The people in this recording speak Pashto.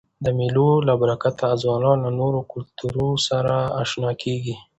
د مېلو له برکته ځوانان له نورو کلتورو سره اشنا کيږي.